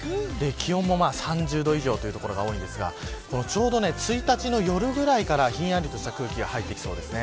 気温も３０度以上という所が多いんですがちょうど１日の夜くらいからひんやりとした空気が入ってきそうです。